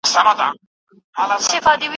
زولنې د زندانونو به ماتیږي